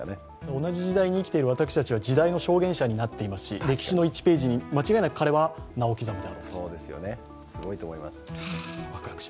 同じ時代に生きている私たちは時代の証言者になっていますし歴史の１ページに間違いなく彼は名を刻むと。